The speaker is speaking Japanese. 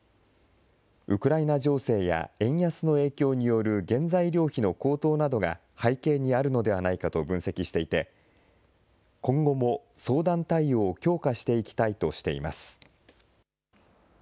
ウクライナ情勢や円安の影響による原材料費の高騰などが背景にあるのではないかと分析していて、今後も相談対応を強化していきたいとしています。